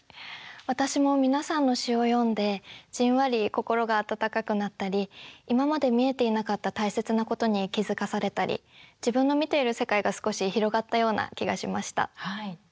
私も、皆さんの詩を読んでじんわり心が温かくなったり今まで見えていなかった大切なことに気付かされたり自分の見ている世界が少し広がったような気がしました。